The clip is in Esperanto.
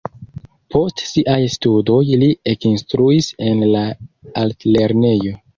Post siaj studoj li ekinstruis en la altlernejo.